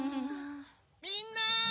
・みんな！